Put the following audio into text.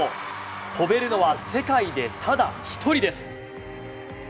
跳べるのは世界でただ１人です。